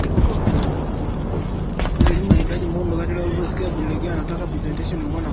barua lakini pia vitabu juu ya imani historia ufafanuzi wa Biblia pamoja